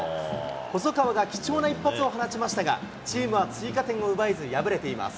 細川が貴重な一発を放ちましたが、チームは追加点を奪えず、敗れています。